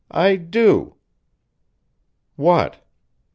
"I do." "What?"